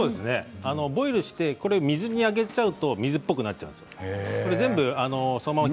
ボイルしてしまうと水っぽくなっちゃうんです。